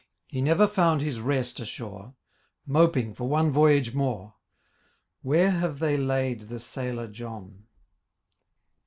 He never found his rest ashore, Moping for one voyage more. Where have they laid the sailor John?